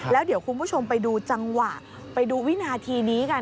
แล้วเดี๋ยวคุณผู้ชมไปดูจังหวะไปดูวินาทีนี้กัน